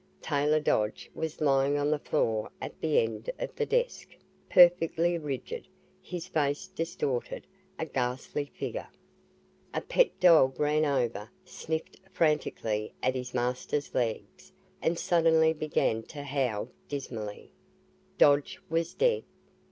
Taylor Dodge was lying on the floor at that end of the desk perfectly rigid his face distorted a ghastly figure. A pet dog ran over, sniffed frantically at his master's legs and suddenly began to howl dismally. Dodge was dead!